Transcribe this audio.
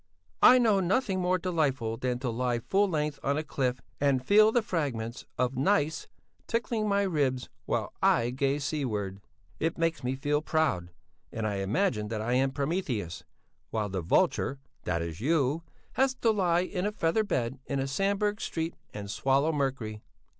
I know nothing more delightful than to lie full length on a cliff and feel the fragments of gneiss tickling my ribs while I gaze seaward. It makes me feel proud, and I imagine that I am Prometheus, while the vulture that is you has to lie in a feather bed in Sandberg Street and swallow mercury.